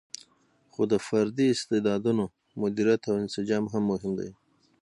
خو د فردي استعدادونو مدیریت او انسجام هم مهم دی.